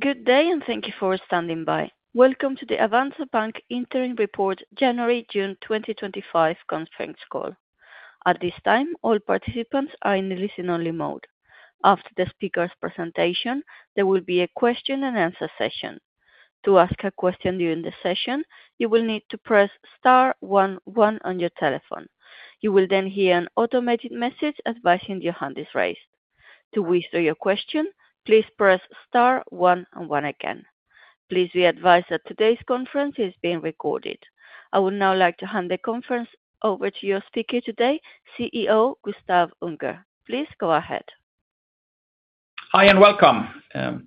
Good day and thank you for standing by. Welcome to the Avanza Bank Holding AB Interim eport January–June 2025 Conference Call. At this time all participants are in listen-only mode. After the speakers' presentation there will be a question and answer session. To ask a question during the session you will need to press start one one on your telephone. You will then hear an automated message advising your hand is raised. To withdraw your question, please press start one one again. Please be advised that today's conference is being recorded. I would now like to hand the conference over to your speaker today, CEO Gustaf Unger. Please go ahead. Hi and welcome.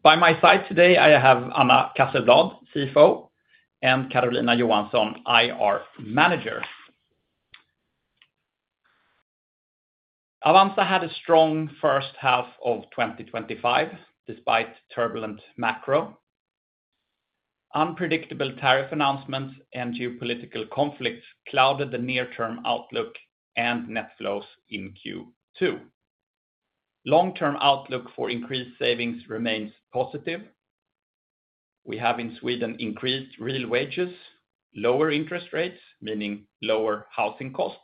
By my side today I have Anna Casselblad, CFO, and Karolina Johansson, IR Manager. Avanza had a strong first half of 2025 despite turbulent macro. Unpredictable tariff announcements and geopolitical conflicts clouded the near term outlook and net flows in Q2. Long term outlook for increased savings remains positive. We have in Sweden increased real wages, lower interest rates meaning lower housing cost,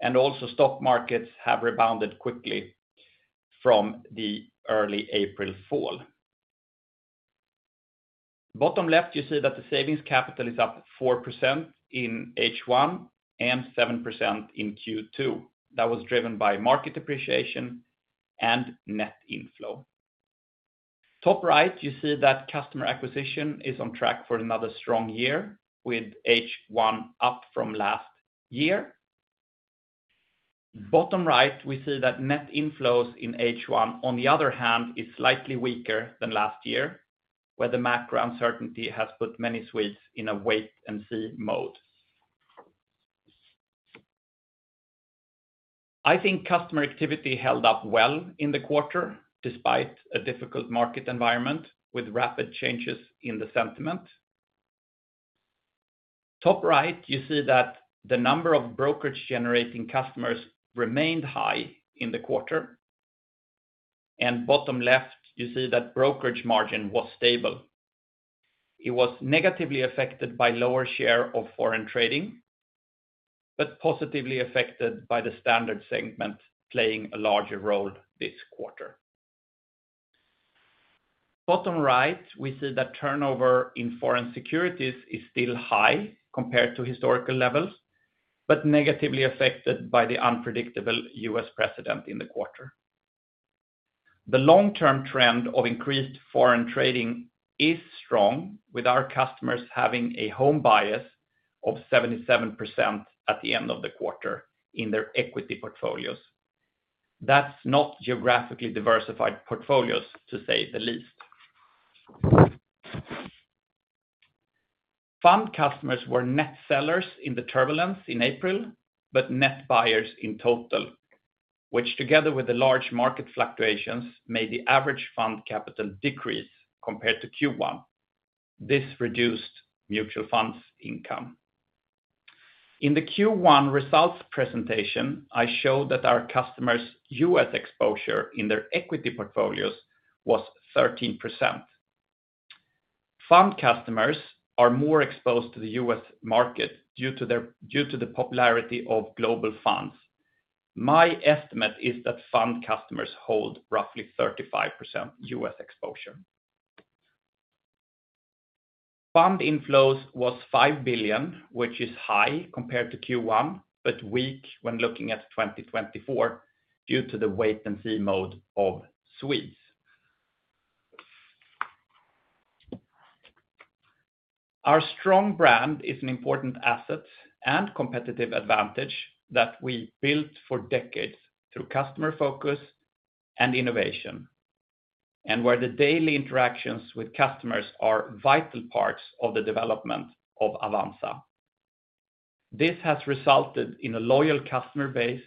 and also stock markets have rebounded quickly from the early April fall. Bottom left you see that the savings capital is up 4% in H1 and 7% in Q2. That was driven by market appreciation and net inflow. Top right you see that customer acquisition is on track for another strong year with H1 up from last year. Bottom right we see that net inflows in H1 on the other hand is slightly weaker than last year where the macro uncertainty has put many Swedes in a wait and see mode. I think customer activity held up well in the quarter despite a difficult market environment with rapid changes in the sentiment. Top right you see that the number of brokerage-generating customers remained high in the quarter and bottom left you see that brokerage margin was stable. It was negatively affected by lower share of foreign trading but positively affected by the Standard segment playing a larger role this quarter. Bottom right we see that turnover in foreign securities is still high compared to historical levels but negatively affected by the unpredictable U.S. precedent in the quarter. The long term trend of increased foreign trading is strong with our customers having a home bias of 77% at the end of the quarter in their equity portfolios. That's not geographically diversified portfolios to say the least. Fund customers were net sellers in the turbulence in April, but net buyers in total which together with the large market fluctuations made the average fund capital decrease compared to Q1. This reduced mutual funds income. In the Q1 results presentation I showed that our customers U.S. exposure in their equity portfolios was 13%. Fund customers are more exposed to the U.S. market due to the popularity of global funds. My estimate is that fund customers hold roughly 35% U.S. exposure. Fund inflows was 5 billion, which is high compared to Q1 but weak when looking at 2024 due to the wait and see mode of Swedes. Our strong brand is an important asset and competitive advantage that we built for decades through customer focus, innovation, and where the daily interactions with customers are vital parts of the development of Avanza. This has resulted in a loyal customer base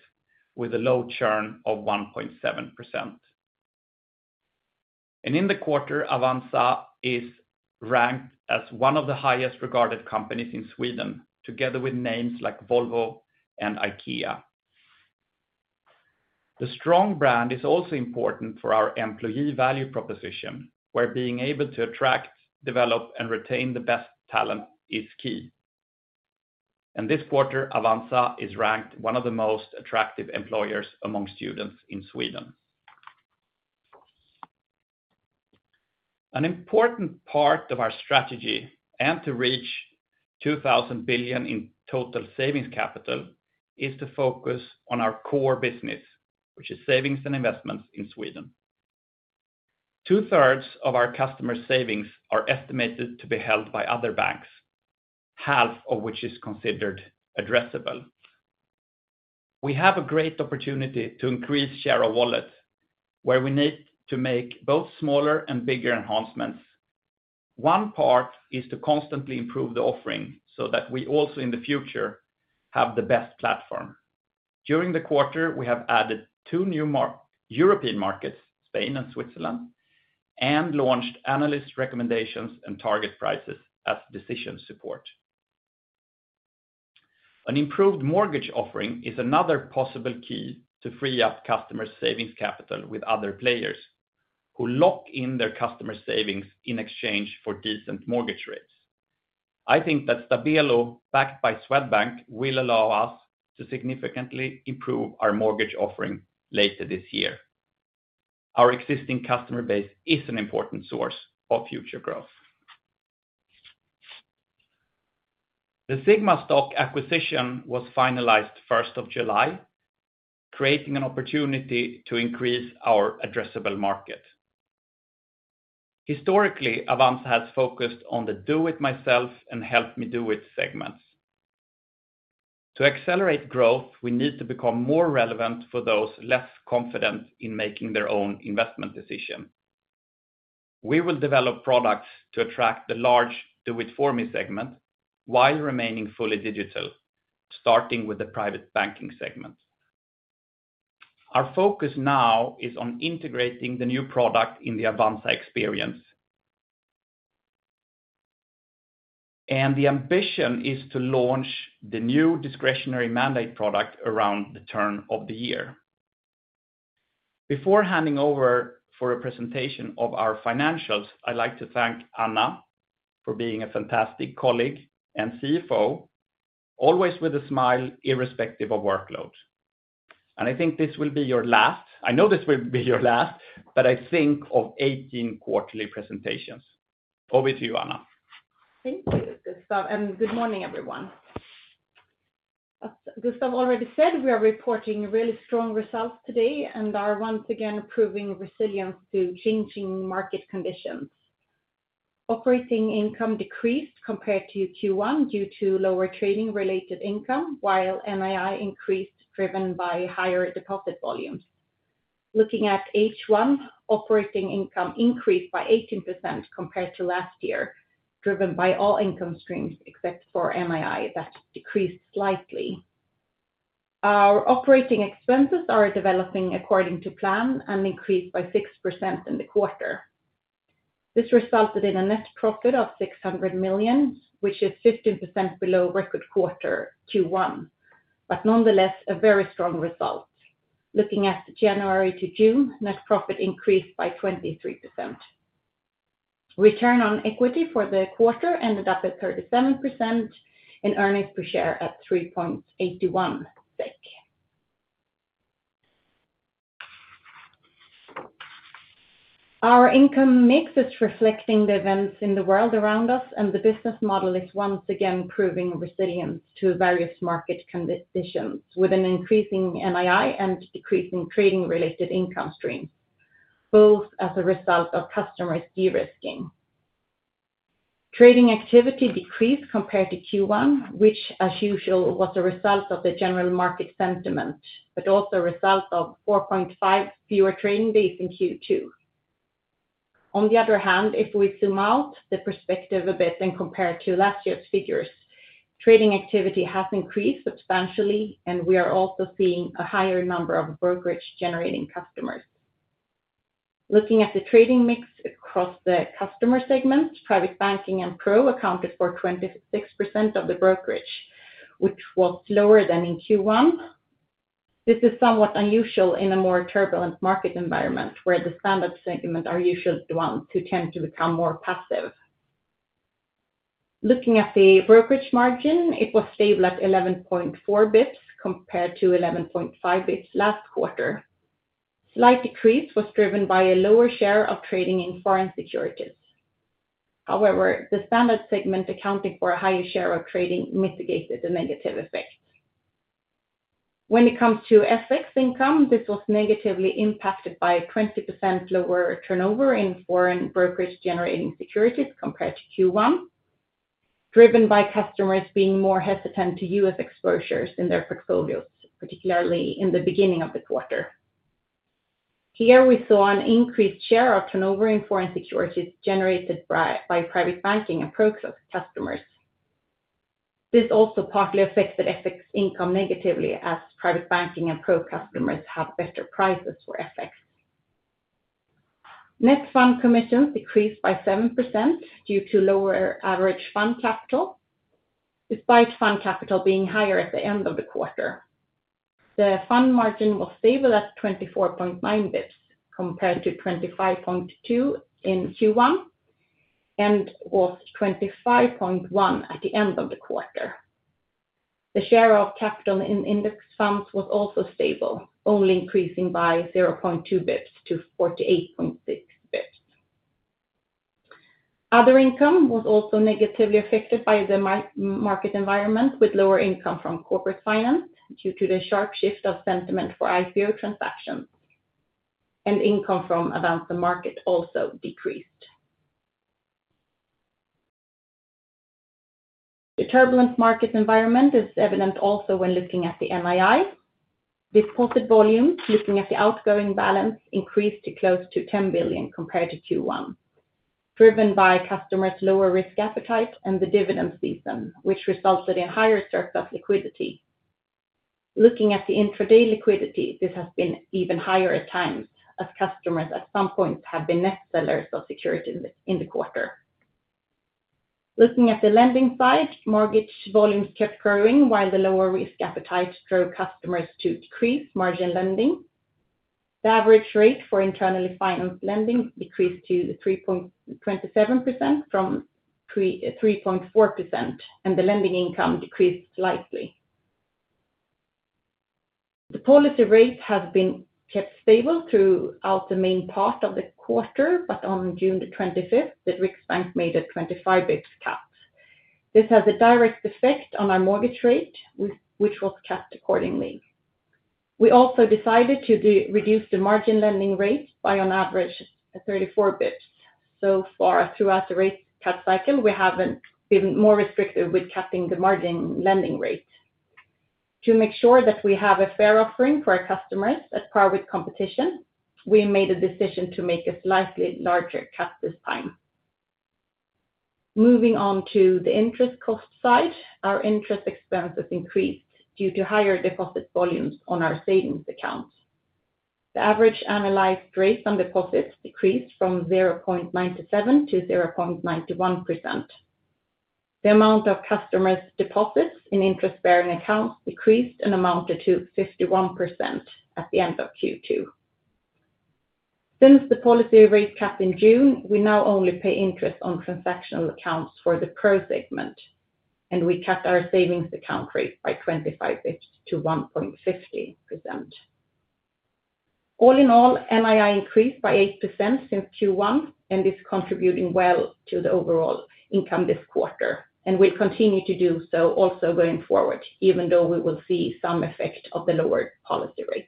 with a low churn of 1.7%, and in the quarter Avanza is ranked as one of the highest regarded companies in Sweden together with names like Volvo and IKEA. The strong brand is also important for our employee value proposition, where being able to attract, develop, and retain the best talent is key. This quarter Avanza is ranked one of the most attractive employers among students in Sweden. An important part of our strategy and to reach 2,000 billion in total savings capital is to focus on our core business, which is savings and investments. In Sweden, two thirds of our customer savings are estimated to be held by other banks, half of which is considered addressable. We have a great opportunity to increase share of wallet where we need to make both smaller and bigger enhancements. One part is to constantly improve the offering so that we also in the future have the best platform. During the quarter, we have added two new European markets, Spain and Switzerland, and launched analyst recommendations and target prices as decision support. An improved mortgage offering is another possible key to free up customers' savings capital with other players who lock in their customer savings in exchange for decent mortgage rates. I think that Stabelo backed by Swedbank will allow us to significantly improve our mortgage offering later this year. Our existing customer base is an important source of future growth. The Sigmastocks acquisition was finalized first of July, creating an opportunity to increase our addressable market. Historically, Avanza has focused on the “Do It Myself" and “Help Me Do It” segments. To accelerate growth, we need to become more relevant. For those less confident in making their own investment decision, we will develop products to attract the large “Do It For Me” segment while remaining fully digital, starting with the private banking segment. Our focus now is on integrating the new product in the Avanza experience, and the ambition is to launch the new discretionary mandate product around the turn of the year before handing over for a presentation of our financials. I'd like to thank Anna for being a fantastic colleague and CFO, always with a smile, irrespective of workload. I know this will be your last, but I think of 18 quarterly presentations. Over to you, Anna. Thank you Gustaf and good morning everyone. Gustaf already said we are reporting really strong results today and are once again proving resilience to changing market conditions. Operating income decreased compared to Q1 due to lower trading related income while NII increased driven by higher deposit volumes. Looking at H1, operating income increased by 18% compared to last year driven by all income streams except for NII that decreased slightly. Our operating expenses are developing according to plan and increased by 6% in the quarter. This resulted in a net profit of 600 million which is 15% below record quarter Q1 but nonetheless a very strong result. Looking at January to June, net profit increased by 23%. Return on equity for the quarter ended up at 37% and earnings per share at 3.81. Our income mix is reflecting the events in the world around us and the business model is once again proving resilient to various market conditions with an increasing NII and decreasing trading related income streams, both as a result of customers de-risking. Trading activity decreased compared to Q1 which as usual was a result of the general market sentiment but also a result of 4.5 fewer trading days in Q2. On the other hand, if we zoom out the perspective a bit and compare to last year's figures, trading activity has increased substantially and we are also seeing a higher number of brokerage generating customers. Looking at the trading mix across the customer segments, Private Banking and Pro accounted for 26% of the brokerage which was lower than in Q1. This is somewhat unusual in a more turbulent market environment where the standard segments are usually the ones who tend to become more passive. Looking at the brokerage margin, it was stable at start one one.4 bps compared to start one one.5 bps last quarter. Slight decrease was driven by a lower share of trading in foreign securities. However, the standard segment accounting for a higher share of trading mitigated the negative effect. When it comes to FX income, this was negatively impacted by 20% lower turnover in foreign brokerage generating securities compared to Q1 driven by customers being more hesitant to use exposures in their portfolios, particularly in the beginning of the quarter. Here we saw an increased share of turnover in foreign securities generated by Private Banking and Pro customers. This also partly affected FX income negatively as Private Banking and Pro customers have better prices for FX. Net fund commissions decreased by 7% due to lower average fund capital. Despite fund capital being higher at the end of the quarter, the fund margin was stable at 24.9 bps compared to 25.2 bps in Q1 and was 25.1 bps. At the end of the quarter, the share of capital in index funds was also stable, only increasing by 0.2 bps to 48.6 bps. Other income was also negatively affected by the market environment, with lower income from corporate finance due to the sharp shift of sentiment for IPO transactions, and income from abound, the market also decreased. The turbulent market environment is evident also when looking at the NII deposit volume. Looking at the outgoing balance, it increased to close to 10 billion compared to Q1, driven by customers' lower risk appetite and the dividend season, which resulted in higher surplus of liquidity. Looking at the intraday liquidity, this has been even higher at times as customers at some point have been net sellers of securities in the quarter. Looking at the lending side, mortgage volumes kept growing while the lower risk appetite drove customers to decrease margin lending. The average rate for internally financed lending decreased to 3.27% from 3.4% and the lending income decreased slightly. The policy rate has been kept stable throughout the main part of the quarter, but on June 25th the Riksbank made a 25 bps cut. This has a direct effect on our mortgage rate, which was capped accordingly. We also decided to reduce the margin lending rate by on average 34 bps. Throughout the rate cut cycle, we haven't been more restrictive with capping the margin lending rate. To make sure that we have a fair offering for our customers at par with competition, we made a decision to make a slightly larger cut this time. Moving on to the interest cost side, our interest expenses increased due to higher deposit volumes on our savings account. The average annualized rates and deposits decreased from 0.97% to 0.91%. The amount of customers' deposits in interest-bearing accounts decreased and amounted to 51% at the end of Q2. Since the policy rate cap in June, we now only pay interest on transactional accounts for the PRO segment and we cut our savings account rate by 25 bps to 1.50%. All in all, NII increased by 8% since Q1 and is contributing well to the overall income this quarter and will continue to do so also going forward, even though we will see some effect of the lower policy rate.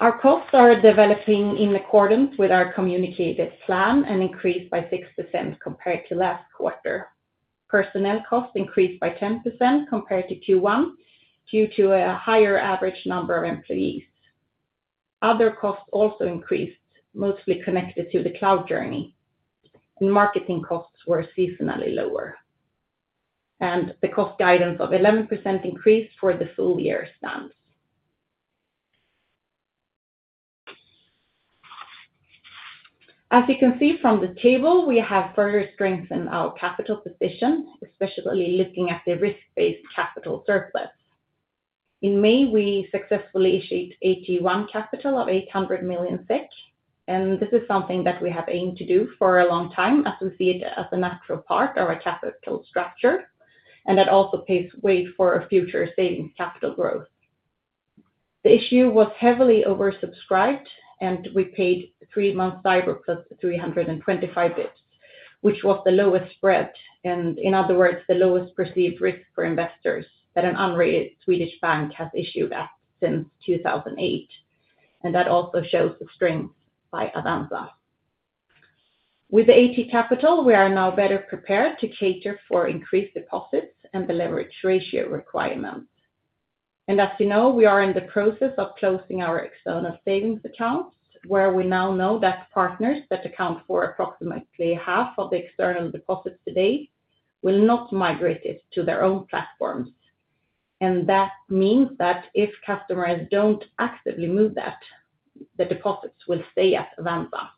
Our costs are developing in accordance with our communicated plan and increased by 6% compared to last quarter. Personnel costs increased by 10% compared to Q1 due to a higher average number of employees. Other costs also increased, mostly connected to the cloud migration, and marketing costs were seasonally lower. The cost growth guidance of start one one% increase for the full year stands. As you can see from the table, we have further strength in our capital position, especially looking at the risk-based capital surplus. In May, we successfully issued AT1 capital of 800 million SEK, and this is something that we have aimed to do for a long time as we see it as a natural part of our capital structure. That also paves way for future savings capital growth. The issue was heavily oversubscribed, and we paid 3 months STIBOR +325 bps, which was the lowest spread, and in other words, the lowest perceived risk for investors that an unrated Swedish bank has issued at since 2008. That also shows the strength by Avanza. With the AT1 capital, we are now better prepared to cater for increased deposits and the leverage ratio requirements. As you know, we are in the process of closing our external savings account product, where we now know that partners that account for approximately half of the external deposits today will not migrate to their own platforms. That means that if customers don't actively move, the deposits will stay at Avanza.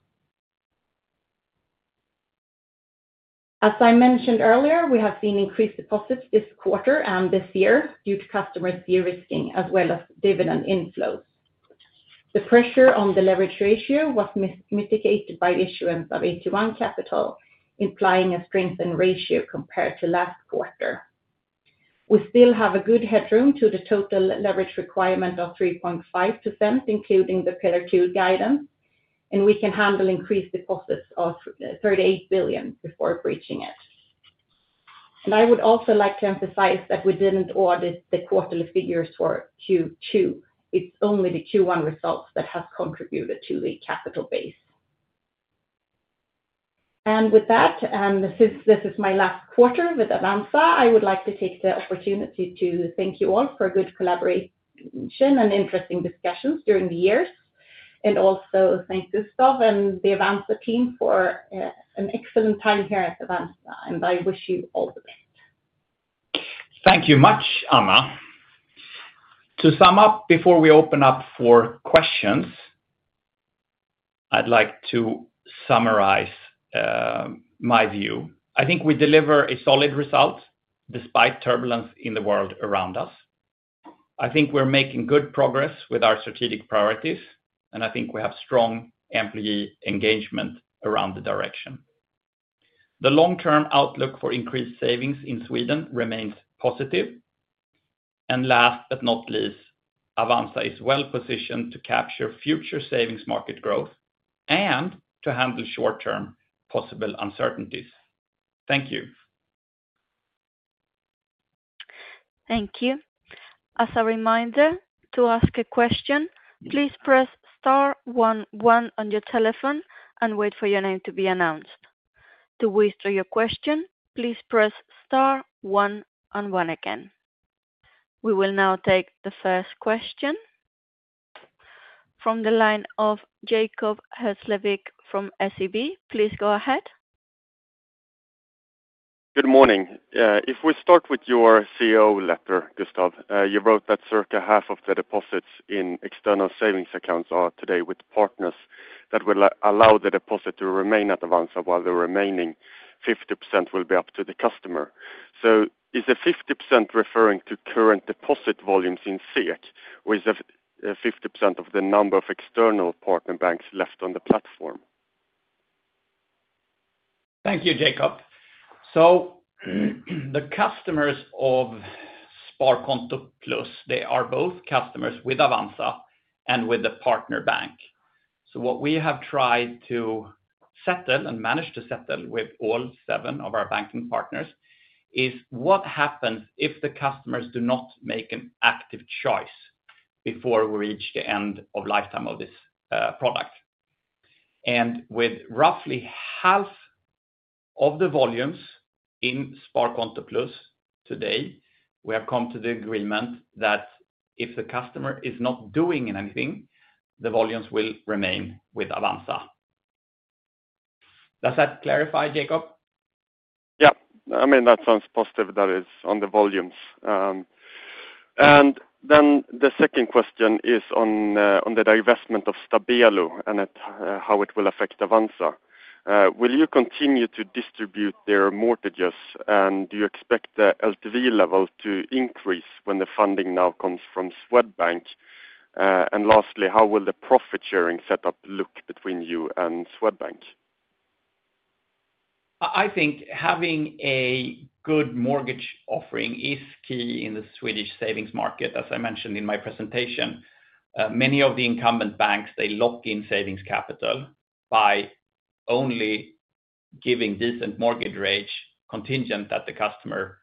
As I mentioned earlier, we have seen increased deposits this quarter and this year due to customers de-risking as well as dividend inflows. The pressure on the leverage ratio was mitigated by issuance of AT1 capital, implying a strengthened ratio compared to last quarter. We still have good headroom to the total leverage requirement of 3.5%, including the Pillar 2 Guidance. We can handle increased deposits of 38 billion before breaching it. I would also like to emphasize that we didn't audit the quarterly figures for Q2. It's only the Q1 results that have contributed to the capital base. With that, since this is my last quarter with Avanza, I would like to take the opportunity to thank you all for good collaboration and interesting discussions during the years. I also thank Gustaf and the Avanza team for an excellent time here at Avanza, and I wish you all the best. Thank you much, Anna. To sum up, before we open up for questions, I'd like to summarize my view. I think we deliver a solid result despite turbulence in the world around us. I think we're making good progress with our strategic priorities, and I think we have strong employee engagement around the direction. The long term outlook for increased savings in Sweden remains positive. Last but not least, Avanza is well positioned to capture future savings market growth and to handle short term possible uncertainties. Thank you. Thank you. As a reminder, to ask a question, please press start one one on your telephone and wait for your name to be announced. To withdraw your question, please press star one and one again. We will now take the first question from the line of Jacob Hesslevik from SEB. Please go ahead. Good morning. If we start with your CEO letter, Gustaf, you wrote that circa half of the deposits in external savings accounts are today with partners. That will allow the deposit to remain at Avanza, while the remaining 50% will be up to the customer. Is the 50% referring to current deposit volumes in FX accounts or is 50% of the number of external partner banks left on the platform? Thank you, Jacob. The customers of Sparkonto Plus, they are both customers with Avanza and with the partner bank. What we have tried to settle and managed to settle with all seven of our banking partners is what happens if the customers do not make an active choice before we reach the end of lifetime of this product. With roughly half of the volumes in Sparkonto Plus today, we have come to the agreement that if the customer is not doing anything, the volumes will remain with Avanza. Does that clarify, Jacob? Yeah, I mean, that sounds positive. That is on the volumes. The second question is on the divestment of Stabelo and how it will affect Avanza. Will you continue to distribute their mortgages and do you expect the LTV level to increase when the funding now comes from Swedbank? Lastly, how will the profit sharing setup look between you and Swedbank? I think having a good mortgage offering is key in the Swedish savings market. As I mentioned in my presentation, many of the incumbent banks lock in savings capital by only giving this mortgage rate contingent on the customer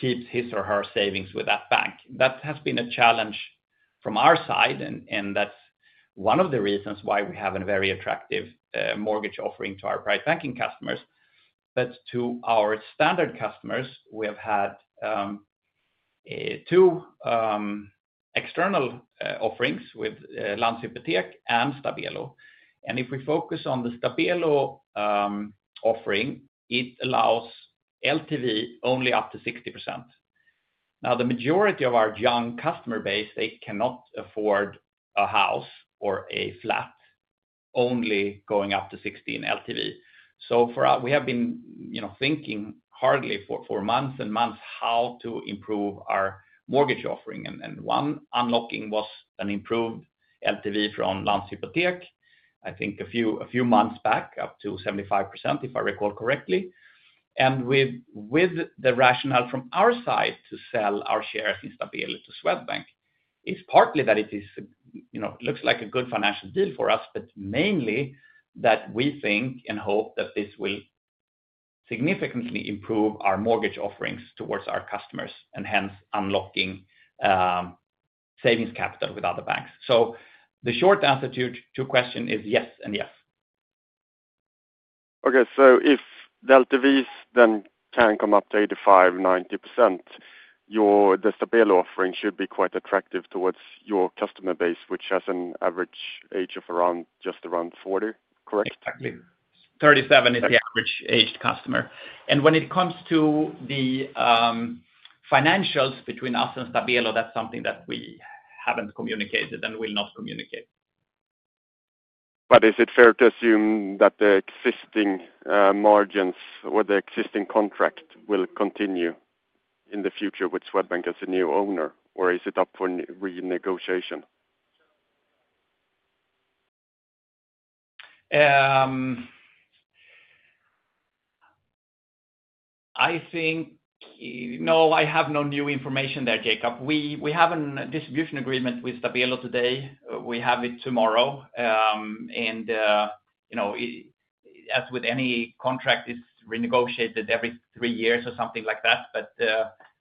keeping his or her savings with that bank. That has been a challenge from our side. That is one of the reasons why we have a very attractive mortgage offering to our private banking customers. To our standard customers, we have had two external offerings with Landshypotek and Stabelo. If we focus on the Stabelo offering, it allows LTV only up to 60%. Now, the majority of our young customer base cannot afford a house or a flat only going up to 60% LTV. We have been thinking hard for months and months how to improve our mortgage offering. One unlocking was an improved LTV from Landshypotek, I think a few months back, up to 75% if I recall correctly. With the rationale from our side to sell our shares in Stabelo to Swedbank, it's partly that it looks like a good financial deal for us, but mainly that we think and hope that this will significantly improve our mortgage offerings towards our customers and hence unlocking savings capital with other banks. The short answer to the question is yes and yes. If Delta V's then can come up to 85%, 90%, your Stabelo offering should be quite attractive towards your customer base, which has an average age of just around 40, correct? Exactly. 37 is the average aged customer. When it comes to the financials between us and Stabelo, that's something that we haven't communicated and will not communicate. Is it fair to assume that the existing margins or the existing contract will continue in the future with Swedbank as a new owner, or is it up for renegotiation? I think no. I have no new information there, Jacob. We have a distribution agreement with Stabelo today, we have it tomorrow, and as with any contract, it's renegotiated every three years or something like that.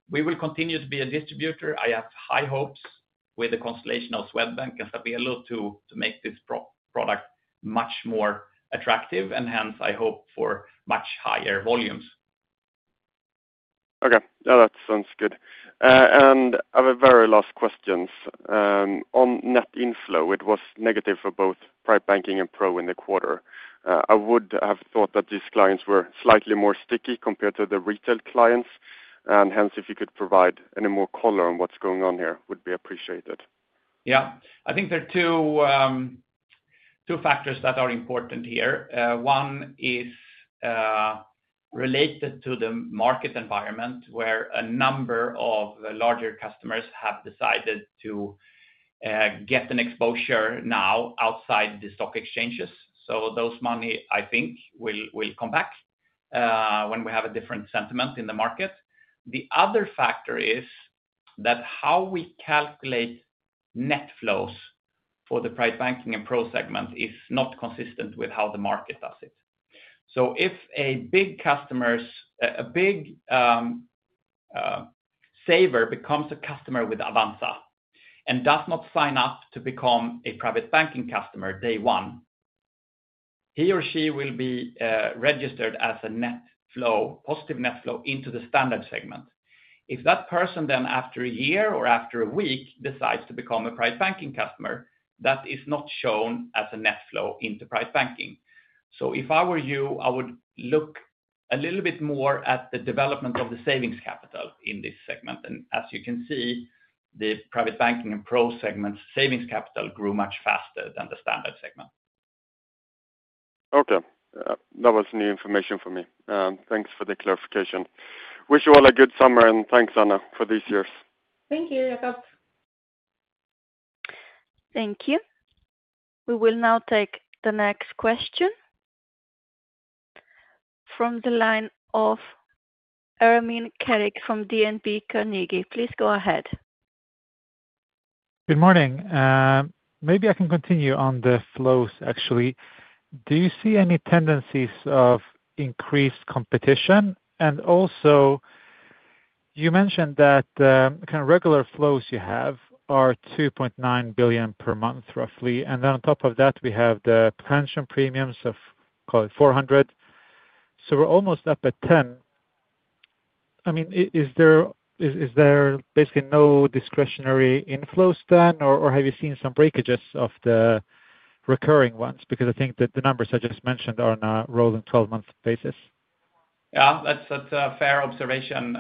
We will continue to be a distributor. I have high hopes with the constellation of Swedbank and Stabelo to make this proposal product much more attractive and hence I hope for much higher volumes. That sounds good. I have a very last question on net inflow. It was negative for both Private Banking and Pro in the quarter. I would have thought that these clients were slightly more sticky compared to the retail clients. If you could provide any more color on what's going on here, it would be appreciated. I think there are two factors that are important here. One is related to the market environment where a number of larger customers have decided to get an exposure now outside the stock exchanges. Those money I think will come back when we have a different sentiment in the market. The other factor is that how we calculate net flows for Private Banking and Pro segment is not consistent with how the market does it. If a big saver becomes a customer with Avanza and does not sign up to become a private banking customer day one, he or she will be registered as a net flow, positive net flow into the standard segment. If that person then after a year or after a week decides to become a private banking customer, that is not shown as a net flow into private banking. If I were you, I would look a little bit more at the development of the savings capital in this segment. As you can see, the Private Banking and Pro segments, savings capital grew much faster than the standard segment.cOkay, that was new information for me. Thanks for the clarification. Wish you all a good summer and thanks Anna for these years. Thank you, Jacob. Thank you. We will now take the next question from the line of Ermin Keric from DNB Carnegie, please go ahead. Good morning. Maybe I can continue on the flows. Actually, do you see any tendencies of increased competition? Also, you mentioned that kind of regular flows you have are 2.9 billion per month, roughly. Then on top of that we have the pension premiums of 400 million, so we're almost up at 10 billion. I mean, is there basically no discretionary inflows then? Or have you seen some breakages of the recurring ones? Because I think that the numbers I just mentioned are on a rolling 12-month basis. Yeah, that's a fair observation,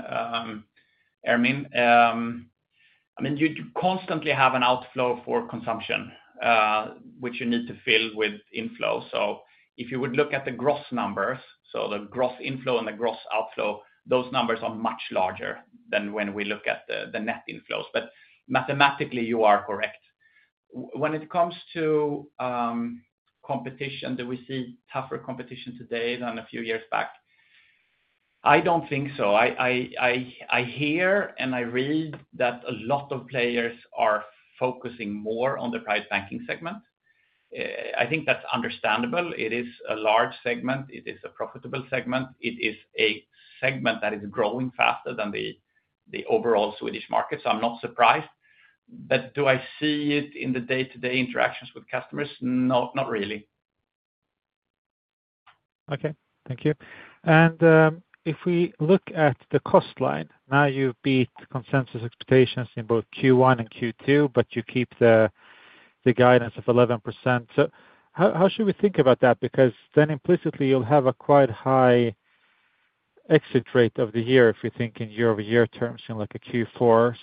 Ermine. I mean, you constantly have an outflow for consumption which you need to fill with inflow. If you would look at the gross numbers, so the gross inflow and the gross outflow, those numbers are much larger than when we look at the net inflows. Mathematically, you are correct. When it comes to competition, do we see tougher competition today than a few years back? I don't think so. I hear and I read that a lot of players are focusing more on the private banking segment. I think that's understandable. It is a large segment, it is a profitable segment, it is a segment that is growing faster than the overall Swedish market. I'm not surprised. Do I see it in the day-to-day interactions with customers? Not really. Okay, thank you. If we look at the cost line now, you've beat consensus expectations in both Q1 and Q2, but you keep the guidance of 11%. How should we think about that? Because then implicitly you'll have a quite high exit rate of the year if you think in year-over-year terms in like a Q4.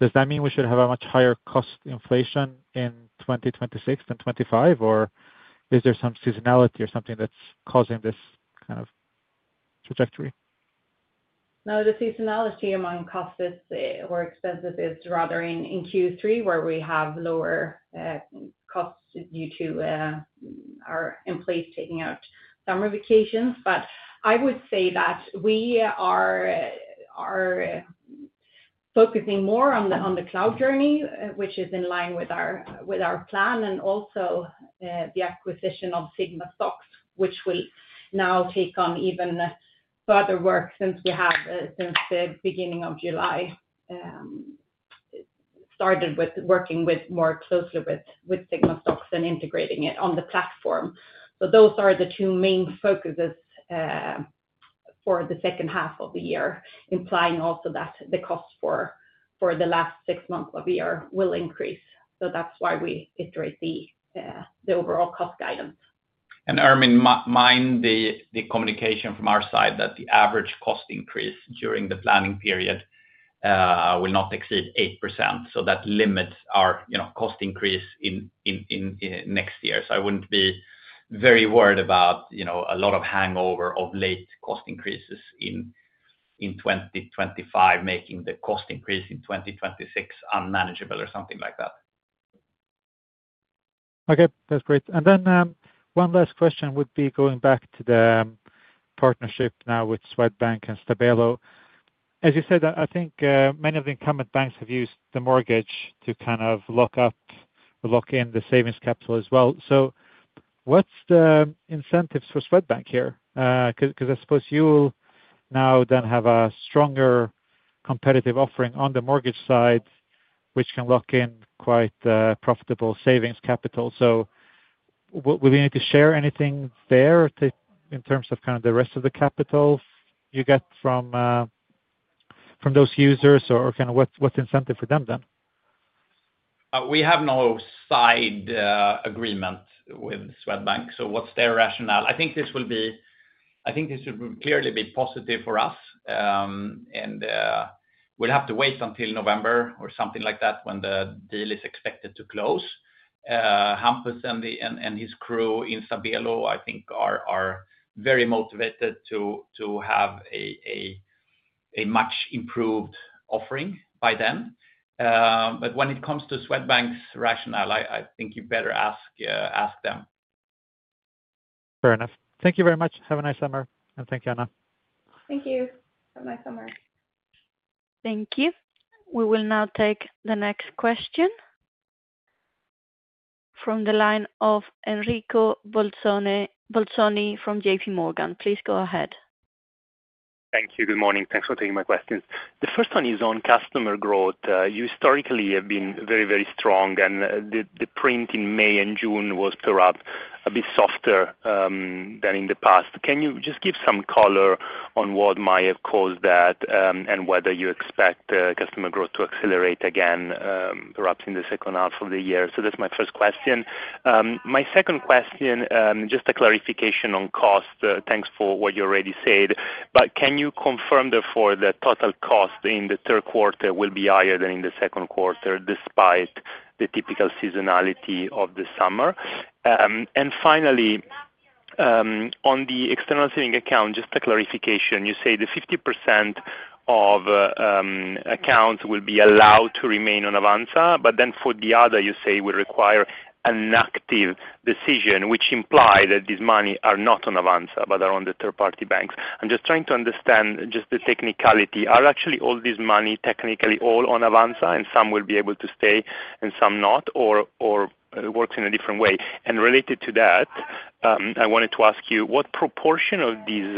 Does that mean we should have a much higher cost inflation in 2026 and 2025 or is there some seasonality or something that's causing this kind? The trajectory now is that the seasonality among costs is rather in Q3, where we have lower costs due to people taking out summer vacations. I would say that we are focusing more on the cloud migration, which is in line with our plan, and also the acquisition of Sigmastocks, which will now take on even further work since we have, since the beginning of July, started working more closely with Sigmastocks and integrating it on the platform. Those are the two main focuses for the second half of the year, implying also that the cost for the last six months of the year will increase. That's why we iterate the overall. Cost guidance and bear in mind the communication from our side that the average cost increase during the planning period will not exceed 8%. That limits our cost increase next year. I wouldn't be very worried about a lot of hangover of late cost increases in 2025, making the cost increase in 2026 unmanageable or something like that. Okay, that's great. One last question would be going back to the partnership now with Swedbank and Stabelo. As you said, I think many of the incumbent banks have used the mortgage to kind of lock in the savings capital as well. What's the incentive for Swedbank here? I suppose you'll now then have a stronger competitive offering on the mortgage side, which can lock in quite profitable savings capital. Will you need to share anything there in terms of the rest of the capital you get from those users, or what's the incentive for them then? We have no side agreement with Swedbank. What's their rationale? I think this will be, I think this would clearly be positive for us and we'll have to wait until November or something like that when the deal is expected to close. Hampus and his crew in Stabelo, I think, are very motivated to have a much improved offering by then. When it comes to Swedbank's rationale, I think you better ask them. Fair enough. Thank you very much. Have a nice summer. Thank you, Anna. Thank you. Have a nice summer. Thank you. We will now take the next question from the line of Enrico Bolzoni from J.P. Morgan. Please go ahead. Thank you. Good morning. Thanks for taking my questions. The first one is on customer growth. You historically have been very, very strong and the print in May and June was perhaps a bit softer than in the past. Can you just give some color on what might have caused that and whether you expect customer growth to accelerate again perhaps in the second half of the year. That's my first question. My second question, just a clarification on cost. Thanks for what you already said. Can you confirm therefore the total cost in the third quarter will be higher than in the second quarter despite the typical seasonality of the summer. Finally, on the external savings account, just a clarification. You say that 50% of accounts will be allowed to remain on Avanza, but then for the other, you say we require an active decision which implies that this money is not on Avanza but is on the third party banks. I'm just trying to understand the technicality. Are actually all this money technically all on Avanza and some will be able to stay and some not or does it work in a different way. Related to that, I wanted to ask you what proportion of these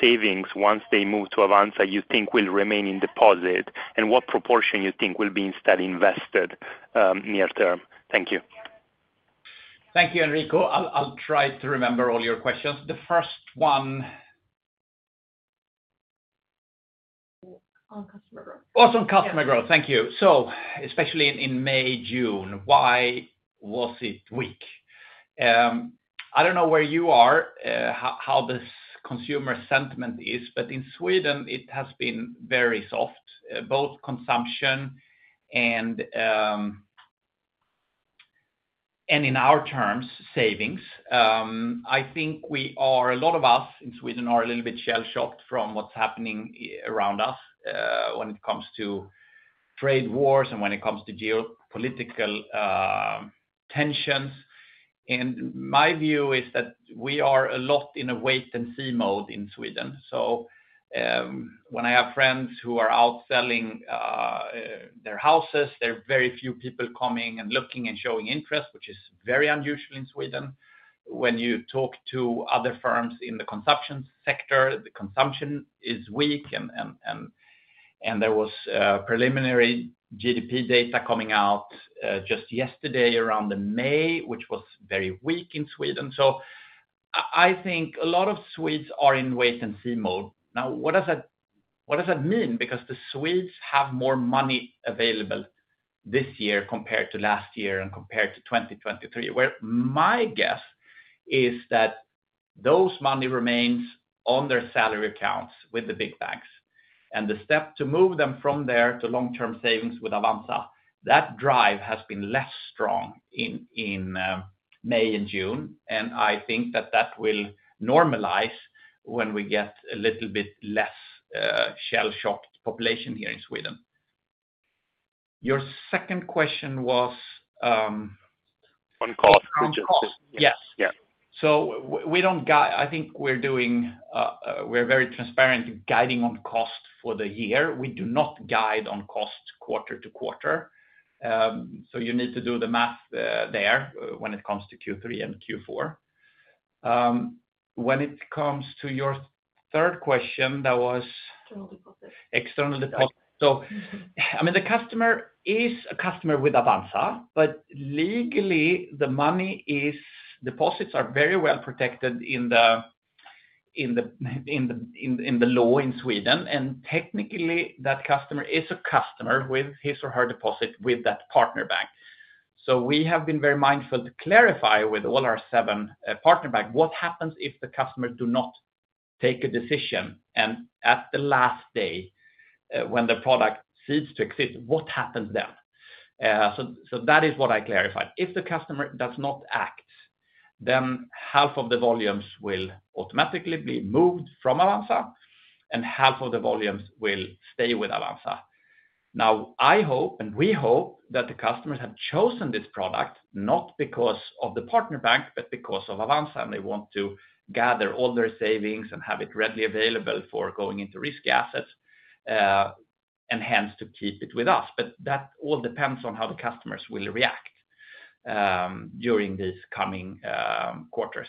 savings once they move to Avanza you think will remain in deposit and what proportion you think will be instead invested near term? Thank you. Thank you, Enrico. I'll try to remember all your questions. The first one, on customer growth. Thank you. Especially in May and June, why was it weak? I don't know where you are, how the consumer sentiment is, but in Sweden it has been very soft, both consumption and in our terms, savings. I think a lot of us in Sweden are a little bit shell shocked from what's happening around us when it comes to trade wars and when it comes to geopolitical tensions. My view is that we are a lot in a wait and see mode in Sweden. When I have friends who are out selling their houses, there are very few people coming and looking and showing interest, which is very unusual in Sweden. When you talk to other firms in the consumption sector, the consumption is weak. There was preliminary GDP data coming out just yesterday around May, which was very weak in Sweden. I think a lot of Swedes are in wait and see mode now. What does that mean? Because the Swedes have more money available this year compared to last year and compared to 2023, where my guess is that those money remains on their salary accounts with the big banks, and the step to move them from there to long term savings with Avanza, that drive has been less strong in May and June. I think that will normalize when we get a little bit less shell shocked population here in Sweden. Your second question was, we are very transparent guiding on cost for the year. We do not guide on cost quarter to quarter, so you need to do the math there when it comes to Q3 and Q4. When it comes to your third question, that was external deposit, the customer is a customer with Avanza but legally the money is. Deposits are very well protected in the law in Sweden, and technically that customer is a customer with his or her deposit with that partner bank. We have been very mindful to clarify with all our partner banks what happens if the customer does not take a decision, and at the last day when the product ceases to exist, what happens then. That is what I clarified. If the customer does not act, then half of the volumes will automatically be moved from Avanza and half of the volumes will stay with Avanza. I hope and we hope that the customers have chosen this product not because of the partner bank, but because of Avanza, and they want to gather all their savings and have it readily available for going into risky assets and hence to keep it with us. That all depends on how the customers will react during these coming quarters.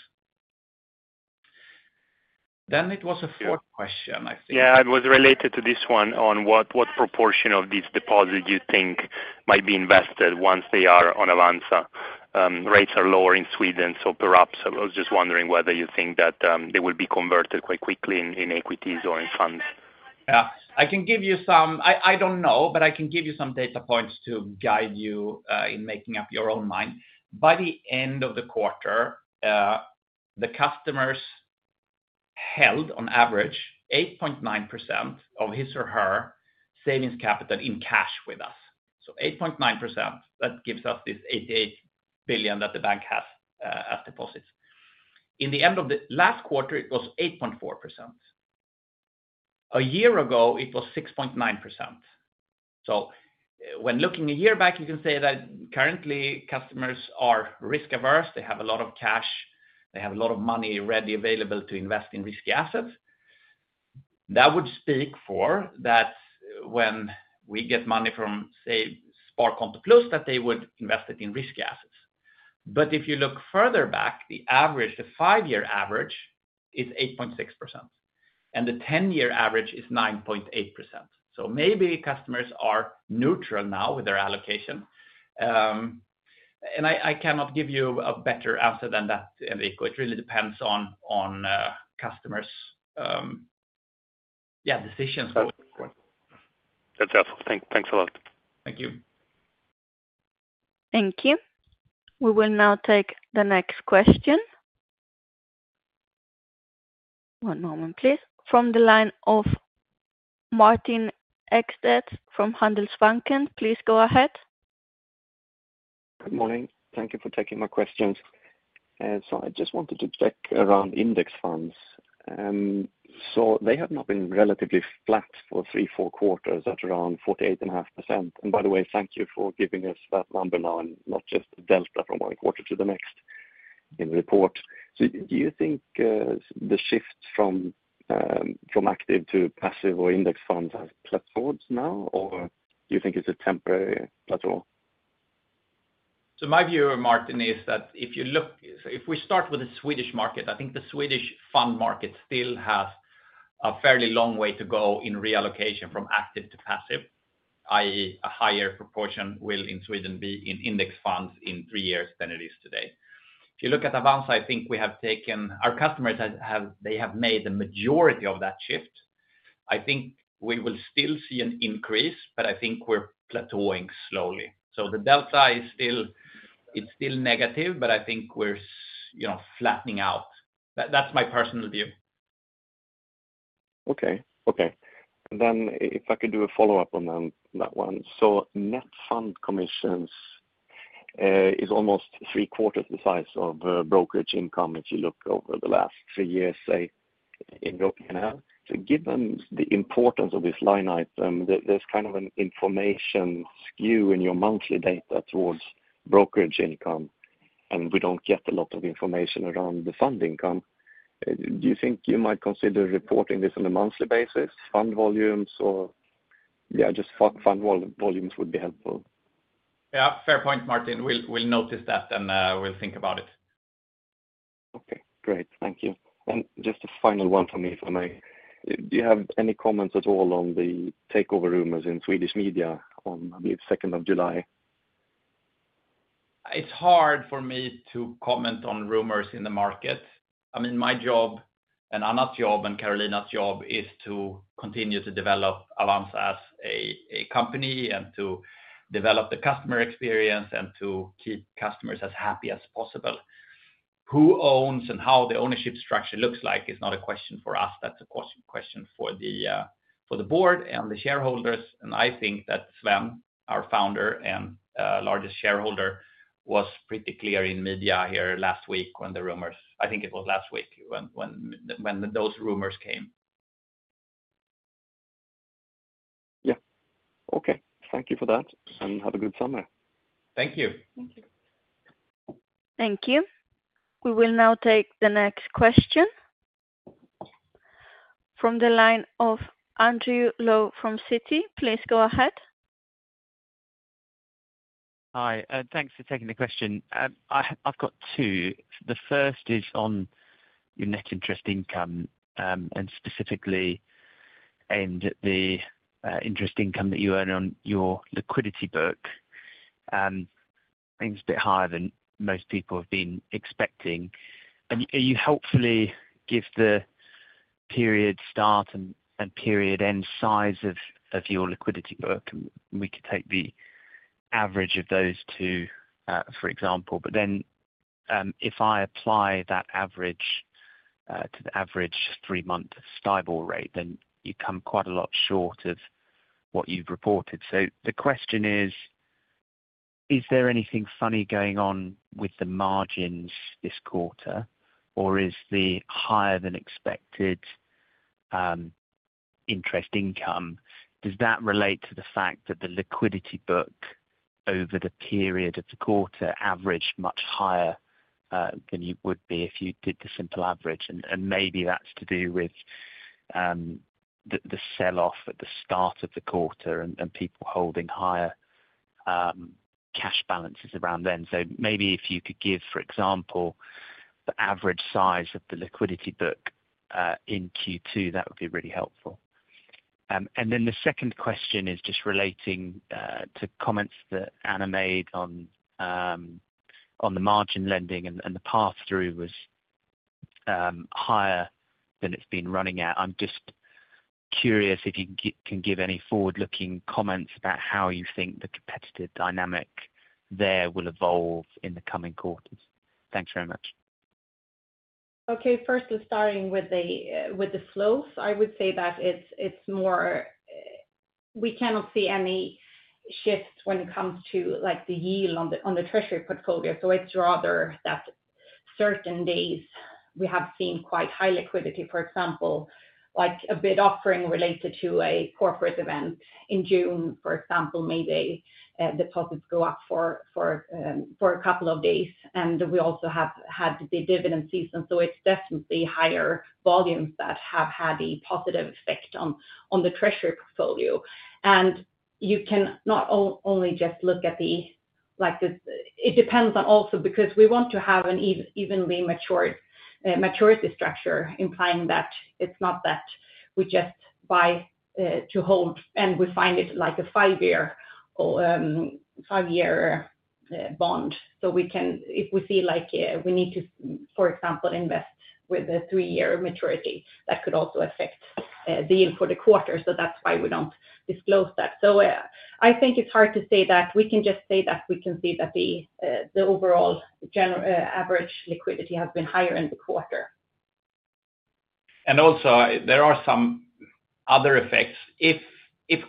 There was a fourth question, I think. Yeah, it was related to this one, on what proportion of these deposits you think might be invested once they are on Avanza? Rates are lower in Sweden, so perhaps I was just wondering whether you think that they will be converted quite quickly in equities or in funds. I can give you some, I don't know, but I can give you some data points to guide you in making up your own mind. By the end of the quarter the customers held on average 8.9% of his or her savings capital in cash with us. So 8.9% that gives us this 88 billion that the bank has as deposits. In the end of the last quarter it was 8.4%. A year ago it was 6.9%. When looking a year back you can say that currently customers are risk averse, they have a lot of cash, they have a lot of money readily available to invest in risky assets. That would speak for that when we get money from, say, Sparkonto Plus, that they would invest it in risky assets. If you look further back, the five-year average is 8.6% and the 10-year average is 9.8%. Maybe customers are neutral now with their allocation. I cannot give you a better answer than that, Enrico. It really depends on customers' decisions. That's helpful. Thanks a lot. Thank you. Thank you. We will now take the next question. One moment please from the line of Martin Ekstedt from Handelsbanken. Please go ahead. Good morning. Thank you for taking my questions. I just wanted to check around index funds. They have now been relatively flat for three, four quarters at around 48.5%. By the way, thank you for giving us that number now and not just delta from one quarter to the next in the report. Do you think the shift from active to passive or index funds has plateaued now, or do you think it's temporary? My view, Martin, is that if you look, if we start with the Swedish market, I think the Swedish fund market still has a fairly long way to go in reallocation from active to passive. That is, a higher proportion will in Sweden be in index funds in three years than it is today. If you look at Avanza, I think our customers have made the majority of that shift. I think we will still see an increase, but I think we're plateauing slowly. The delta is still negative, but I think we're flattening out. That's my personal view. Okay, then if I could do a follow-up on that one. Net fund commissions are almost three quarters the size of brokerage income if you look over the last three years, say in your OPNL. Given the importance of this line item, there's kind of an information skew in your monthly data towards brokerage income and we don't get a lot of information around the fund income. Do you think you might consider reporting this on a monthly basis? Fund volumes or, yeah, just fund volumes would be helpful. Yeah, fair point, Martin. We'll notice that and we'll think about it. Okay, great. Thank you. Just a final one for me, if I may. Do you have any comments at all on the takeover rumors in Swedish media on July 2? It's hard for me to comment on rumors in the market. My job and Anna's job and Karolina's job is to continue to develop Avanza as a company and to develop the customer experience and to keep customers as happy as possible. Who owns and how the ownership structure looks like is not a question for us. That's a question for the board and the shareholders. I think that Sven, our founder and largest shareholder, was pretty clear in media here last week when the rumors, I think it was last week when those rumors came. Yeah. Okay, thank you for that and have a good summer. Thank you. Thank you. We will now take the next question from the line of Andrew Lowe from Citi. Please go ahead. Hi, thanks for taking the question. I've got two. The first is on your net interest income and specifically the interest income that you earn on your liquidity book. Things are a bit higher than most people have been expecting, and you hopefully give the period start and period end size of your liquidity book. We could take the average of those two, for example. If I apply that average to the average 3 month STIBOR rate, then you come quite a lot short of what you've reported. The question is, is there anything funny going on with the margins this quarter, or is the higher than expected interest income related to the fact that the liquidity book over the period of the quarter averaged much higher than you would be if you did the simple average? Maybe that's to do with the sell-off at the start of the quarter and people holding higher cash balances around then. If you could give, for example, the average size of the liquidity book in Q2, that would be really helpful. The second question is just relating to comments that Anna made on the margin lending, and the path through was higher than it's been running at. I'm just curious if you can give any forward-looking comments about how you think the competitive dynamic there will evolve in the coming quarters. Thanks very much. Okay, first starting with the flows, I would say that it's more we cannot see any shifts when it comes to the yield on the treasury portfolio. It's rather that certain days we have seen quite high liquidity. For example, a bid offering related to a corporate event in June, maybe deposits go up for a couple of days and we also have had the dividend season. It's definitely higher volumes that have had a positive effect on the treasury portfolio. You cannot only just look at it, it depends also because we want to have an evenly matured maturity structure, implying that it's not that we just buy to hold and we find it like a five-year or five-year bond. We can, if we feel like we need to, for example, invest with the three-year maturity, that could also affect the yield for the quarter. That's why we don't disclose that. I think it's hard to say that we can just say that we can see that the overall average liquidity has been higher in the quarter. There are some other effects if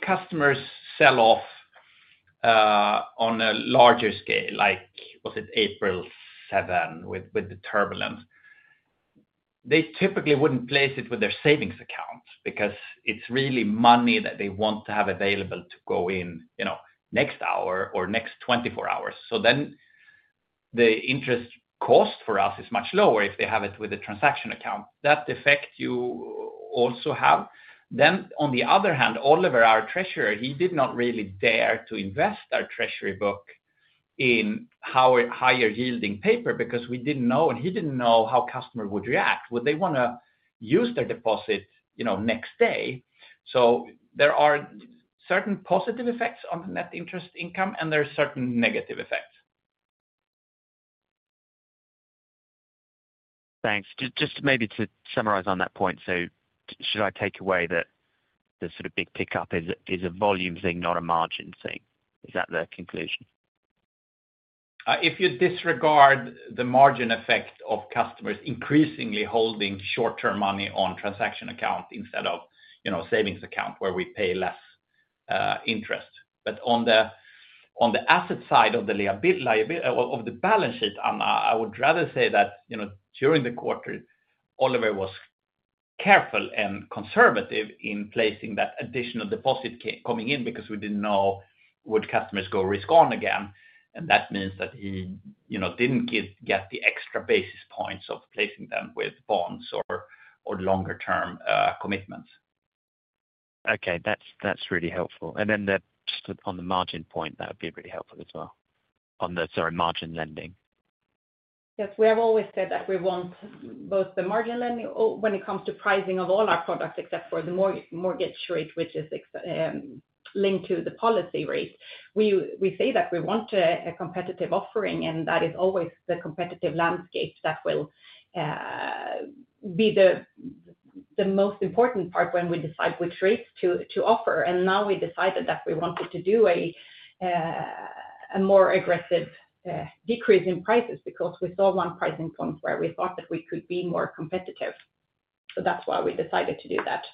customers sell off on a larger scale. Like was it April 7 with the turbulence? They typically wouldn't place it with their savings account because it's really money that they want to have available to go in next hour or next 24 hours. The interest cost for us is much lower if they have it with a transaction account. That effect you also have. On the other hand, Oliver, our Treasurer, did not really dare to invest our treasury book in higher yielding paper because we didn't know and he didn't know how customers would react. Would they want to use their deposit next day? There are certain positive effects on the net interest income and there are certain negative effects. Thanks. Maybe to summarize on that point, should I take away that the sort of big pickup is a volume thing, not a margin thing? Is that the conclusion if you disregard the margin effect of customers increasingly holding short term money on transaction account instead of savings account where we pay less interest, but on the asset side of the balance sheet. I would rather say that during the quarter Oliver was careful and conservative in placing that additional deposit coming in because we didn't know would customers go risk on again. That means that he didn't get the extra basis points of replacing them with bonds or longer term commitments. That's really helpful. On the margin point, that would be really helpful as well. Sorry, margin lending? Yes. We have always said that we want both the margin lending when it comes to pricing of all our products except for the mortgage rate, which is linked to the policy rate. We say that we want a competitive offering, and that is always the competitive landscape. That will be the most important part when we decide which rates to offer. We decided that we wanted to do a more aggressive decrease in prices because we saw one pricing point where we thought that we could be more competitive. That is why we decided to do that.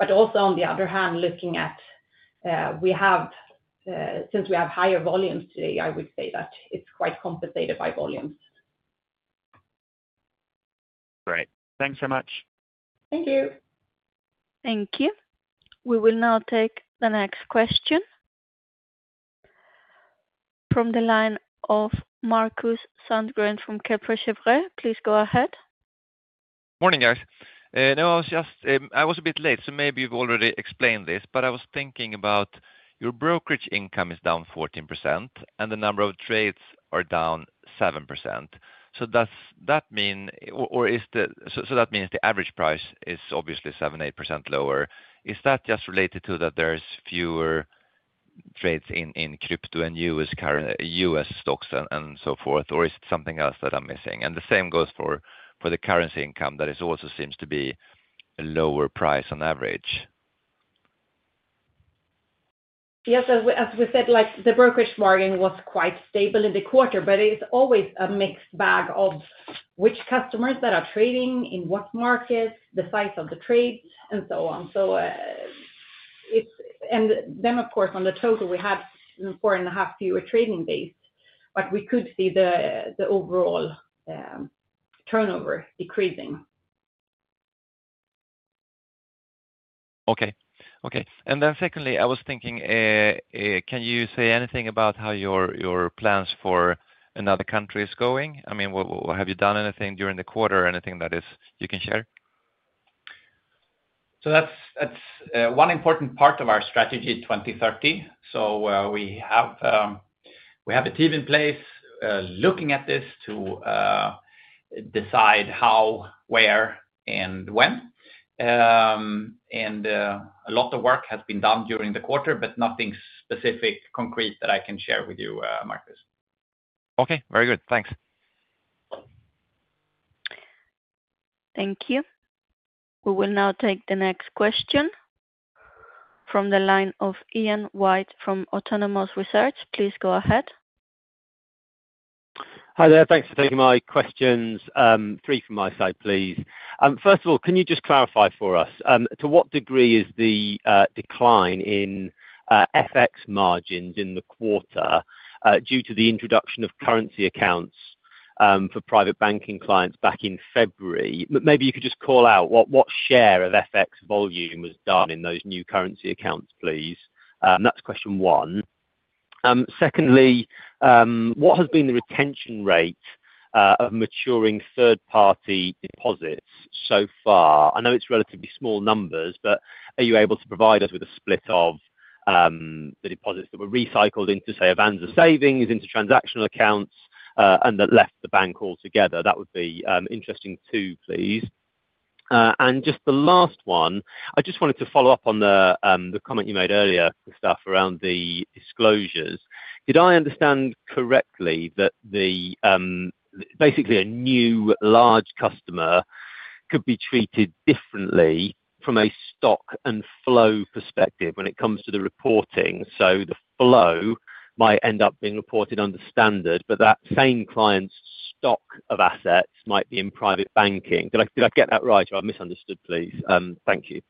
On the other hand, since we have higher volumes today, I would say that it's quite compensated by volumes. Great. Thanks so much. Thank you. Thank you. We will now take the next question from the line of Markus Sandgren from Kepler Cheuvreux. Please go ahead. Morning, guys. I was a bit late, so maybe you've already explained this, but I was thinking about your brokerage income is down 14% and the number of trades are down 7%. Does that mean the average price is obviously 7-8% lower? Is that just related to that there's fewer trades in crypto and U.S. stocks and so forth, or is it something else that I'm missing? The same goes for the currency income that also seems to be lower price on average. Yes, as we said, the brokerage margin was quite stable in the quarter, but it's always a mixed bag of which customers that are trading in what market, the size of the trades, and so on. Of course, on the total we had 4.5 fewer trading days, but we could see the overall turnover decreasing. Okay, okay. Then secondly, I was thinking, can you say anything about how your plans for another country is going? I mean, have you done anything during the quarter? Anything that you can share? That's one important part of our strategy 2030. We have a team in place looking at this to decide how, where, and when. A lot of work has been done during the quarter, but nothing specific or concrete that I can share with you, Markus. Okay, very good. Thanks. Thank you. We will now take the next question from the line of Ian White from Autonomous Research. Please go ahead. Hi there. Thanks for taking my questions. Three from my side, please. First of all, can you just clarify for us to what degree is the decline in FX margins in the quarter due to the introduction of currency accounts for private banking clients back in February? Maybe you could just call out what shift share of FX volume was done in those new currency accounts, please. That's question one. Secondly, what has been the retention rate of maturing third party deposits so far? I know it's relatively small numbers, but are you able to provide us with a split of the deposits that were recycled into, say, Avanza savings, into transactional accounts, and that left the bank altogether? That would be interesting too, please. Just the last one, I just wanted to follow up on the comment you made earlier, Gustaf, around the disclosures. Did I understand correctly that basically a new large customer could be treated differently from a stock and flow perspective when it comes to the reporting? The flow might end up being reported under standard, but that same client's stock of assets might be in private banking? Did I get that right or did I misunderstand? Please. Thank you.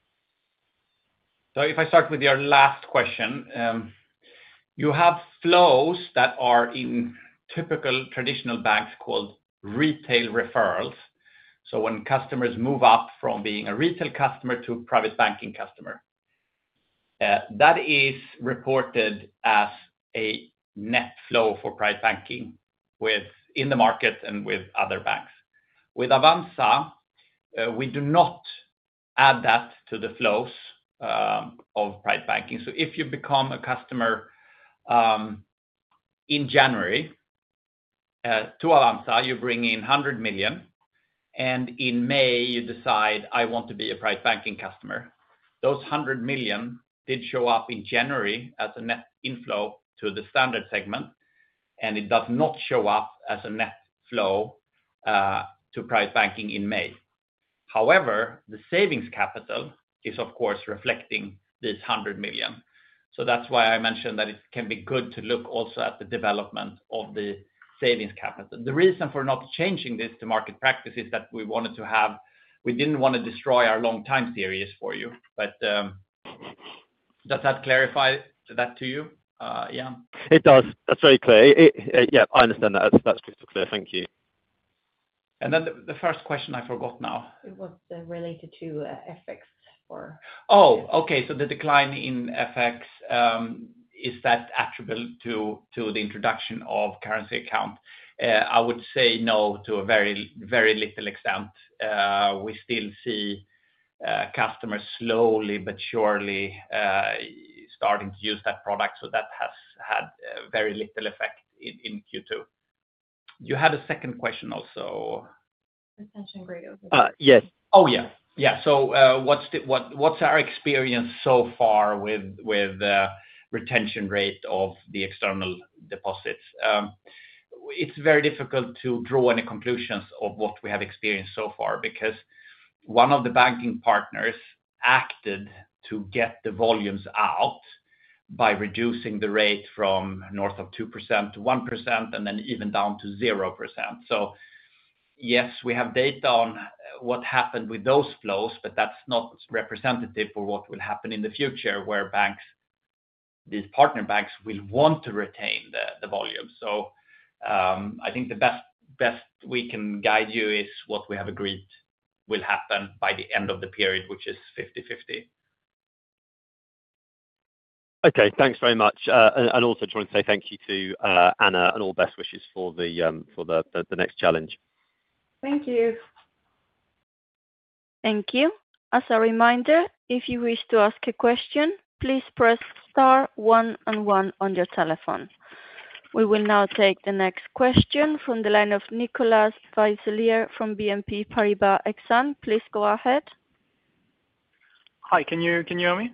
If I start with your last question, you have flows that are in typical traditional banks called retail referrals. When customers move up from being a retail customer to a private banking customer, that is reported as a net flow for private banking in the market and with other banks. With Avanza, we do not add that to the flows of private banking. If you become a customer in January to Avanza, you bring in $100 million, and in May you decide, I want to be a private banking customer. Those $100 million did show up in January as a net inflow to the standard segment, and it does not show up as a net flow to private banking in May. However, the savings capital is of course reflecting this $100 million. That's why I mentioned that it can be good to look also at the development of the savings capital. The reason for not changing this to market practice is that we didn't want to destroy our long time series for you, but does that clarify that to you? Yeah, it does. That's very clear. Yeah, I understand that. That's crystal clear. Thank you. Then the first question I forgot. Now, it was related to FX. Oh, okay. So the decline in FX, is that attributed to the introduction of the currency account? I would say no, to a very, very little extent. We still see customers slowly but surely starting to use that product. That has had very little effect. In Q2, you had a second question, also retention grade over. Yes. Oh yeah, yeah. What's our experience so far with retention rate of the external deposits? It's very difficult to draw any conclusions from what we have experienced so far because one of the banking partners acted to get the volumes out by reducing the rate from north of 2% to 1% and then even down to 0%. Yes, we have data on what happened with those flows, but that's not representative for what will happen in the future where these partner banks will want to retain the volume. I think the best we can guide you is what we have agreed will happen by the end of the period, which is 50/50. Okay, thanks very much. Also, trying to say thank you to Anna and all best wishes for the next challenge. Thank you. Thank you. As a reminder, if you wish to ask a question, please press star one and one on your telephone. We will now take the next question from the line of Nicolas Vaysselier from BNP Paribas S.A. Please go ahead. Hi, can you hear me?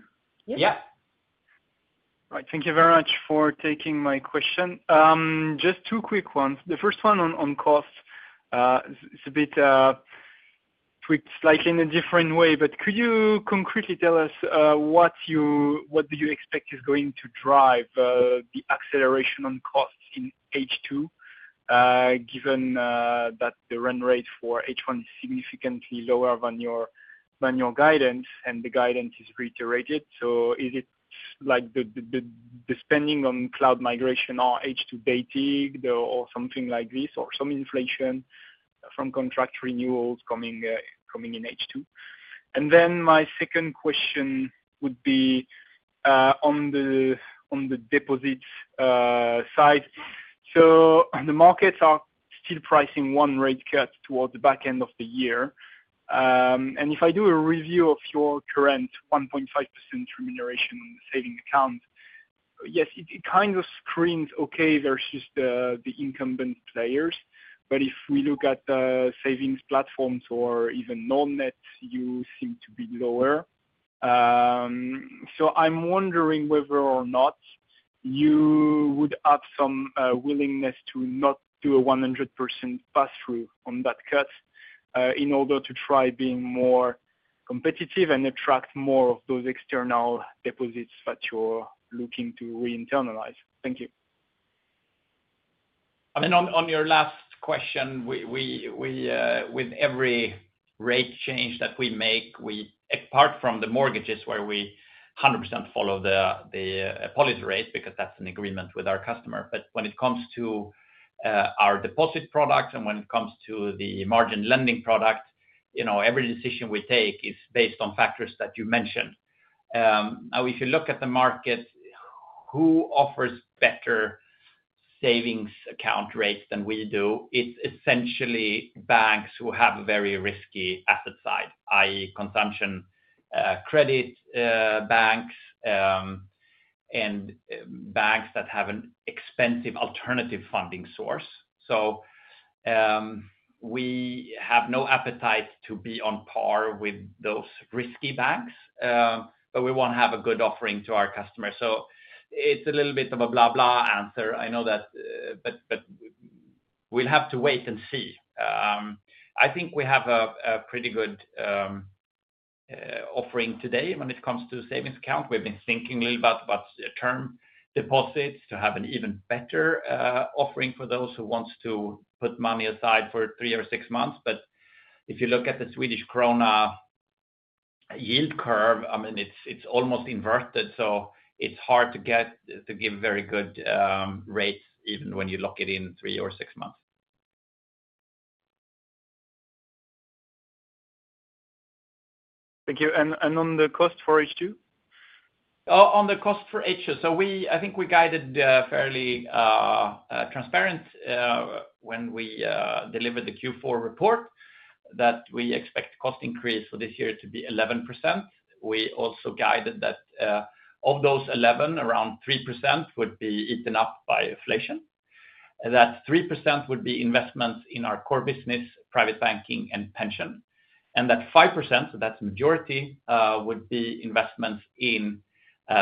Yeah. Thank you very much for taking my question. Just two quick ones. The first one on cost. It's a bit tweaked slightly in a different way. Could you concretely tell us what you expect is going to drive the acceleration on costs in H2 given that the run rate for H1 is significantly lower than your guidance and the guidance is reiterated? Is it depending on cloud migration or H2 dating or something like this or some inflation from contract renewals coming in H2? My second question would be on the deposit side. The markets are still pricing one rate cut towards the back end of the year. If I do a review of your current 1.5% remuneration on the saving account, yes, it kind of screens okay versus the incumbent players. If we look at savings platforms or even non-net, you seem to be lower. I'm wondering whether or not you would have some willingness to not do a 100% pass through on that cut in order to try being more competitive and attract more of those external deposits that you're looking to re-internalize. Thank you. I mean on your last question, with every rate change that we make apart from the mortgages where we 100% follow the policy rate because that's an agreement with our customer. When it comes to our deposit product and when it comes to the margin lending product, every decision we take is based on factors that you mentioned. If you look at the market, who offers better savings account rates than we do, it's essentially banks who have very risky asset side, that is consumption credit banks and banks that have an expensive alternative funding source. We have no appetite to be on par with those risky banks. We want to have a good offering to our customers. It's a little bit of a blah blah answer, I know that, but we'll have to wait and see. I think we have a pretty good offering today when it comes to savings account. We've been thinking a little about what's the term deposits to have an even better offering for those who want to put money aside for three or six months. If you look at the Swedish krona yield curve, it's almost inverted so it's hard to give very good rates even when you lock it in three or six months. Thank you. On the cost for H2, I think we guided fairly transparent when we delivered the Q4 report that we expect cost increase for this year to be 11%. We also guided that of those 11% around 3% would be eaten up by inflation. That 3% would be investments in our core business, private banking, and pension, and that 5%, so that's majority, would be investments in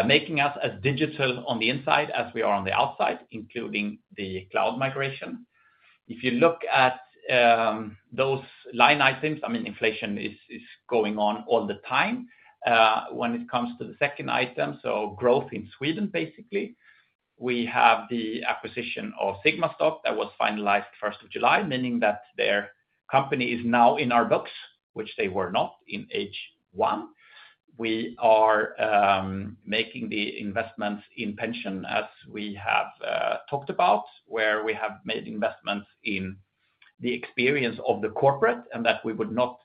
making us as digital on the inside as we are on the outside, including the cloud migration. If you look at those line items, inflation is going on all the time. When it comes to the second item, growth in Sweden, basically we have the acquisition of Sigmastocks that was finalized first of July, meaning that their company is now in our books, which they were not in H1. We are making the investments in pension as we have talked about, where we have made investments in the experience of the corporate, and that we would not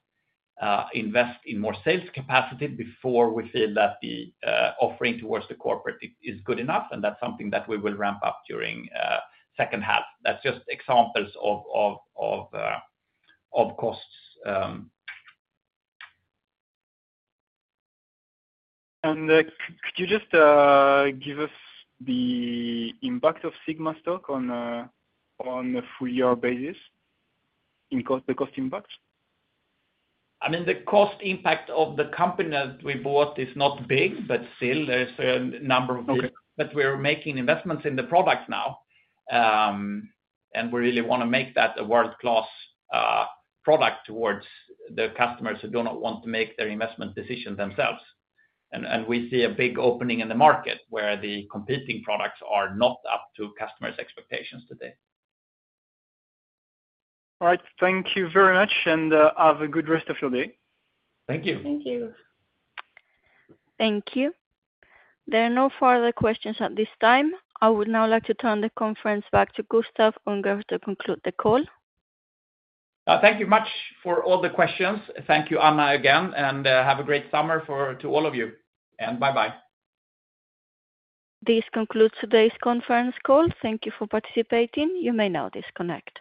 invest in more sales capacity before we feel that the offering towards the corporate is good enough, and that's something that we will ramp up during second half. That's just examples of costs. Could you just give us the impact of Sigmastocks on a full year basis in the cost impacts? The cost impact of the company that we bought is not big, but still there's number of. We're making investments in the product now, and we really want to make that a world class product towards the customers who do not want to make their investment decision themselves. We see a big opening in the market where the competing products are not up to customers' expectations today. All right, thank you very much and have a good rest of your day. Thank you. Thank you. Thank you. There are no further questions at this time. I would now like to turn the conference back to Gustaf Unger to conclude the call. Thank you so much for all the questions. Thank you, Anna, again, and have a great summer to all of you. Bye. Bye. This concludes today's conference call. Thank you for participating. You may now disconnect.